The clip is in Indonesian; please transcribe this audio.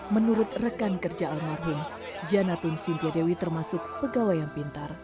menurut rekan kerja almarhum janatun sintiadewi termasuk pegawai yang pintar